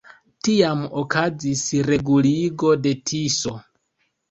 Tiam okazis reguligo de Tiso.